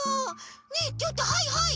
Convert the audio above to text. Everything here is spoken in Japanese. ねえちょっとはいはい！